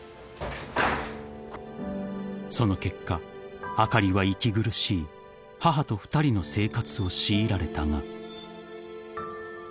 ［その結果あかりは息苦しい母と２人の生活を強いられたが］